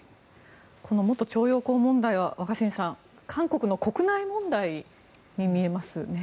この元徴用工問題は若新さん、韓国の国内問題に見えますね。